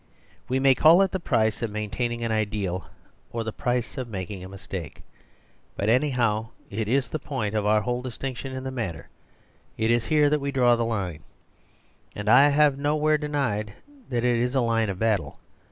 We may call it the price of maintaining an ideal or the price of mak ing a mistake; but anyhow it is the point of our whole distinction in the matter; it is here The Tragedies of Marriage 128 that we draw the line, and I have nowhere de nied that it is a line of battle.